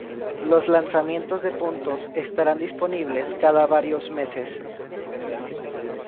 Los lanzamientos de puntos estarán disponibles cada varios meses.